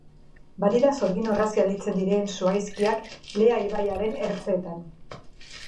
Badira sorgin orrazia deitzen diren zuhaizkiak Lea ibaiaren ertzeetan.